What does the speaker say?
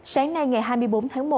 sáng nay ngày hai mươi bốn tháng một